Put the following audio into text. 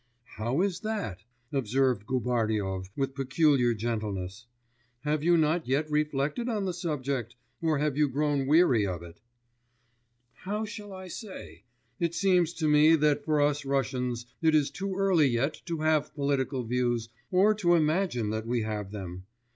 'How is that?' observed Gubaryov with peculiar gentleness. 'Have you not yet reflected on the subject, or have you grown weary of it?' 'How shall I say? It seems to me that for us Russians, it is too early yet to have political views or to imagine that we have them.